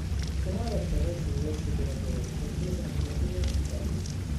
Il canale, attraverso diversi operatori, è presente nei seguenti paesi.